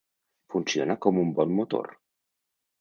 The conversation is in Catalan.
Funciona com un bon motor.